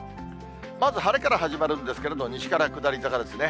まず晴れから始まるんですけれど、西から下り坂ですね。